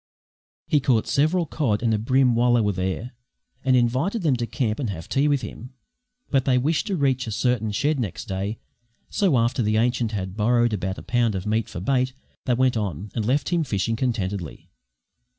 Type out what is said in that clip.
He caught several cod and a bream while they were there, and invited them to camp and have tea with him. But they wished to reach a certain shed next day, so after the ancient had borrowed about a pound of meat for bait they went on, and left him fishing contentedly.